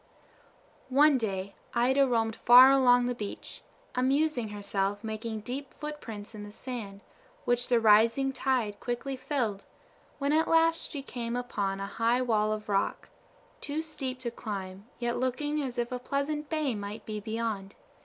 One day Ida roamed far along the beach, amusing herself making deep footprints in the sand, which the rising tide quickly filled, when at last she came upon a high wall of rock, too steep to climb, yet looking as if a pleasant bay might be beyond.